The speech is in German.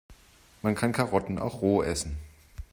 Man kann Karotten auch roh essen.